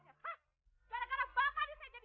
dua hari lagi